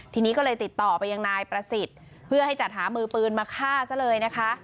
ทีนี้ก็เลยติดต่อไปยังนายประสิทธิ์เพื่อให้จัดหามือปืนมาฆ่าซะเลยนะคะ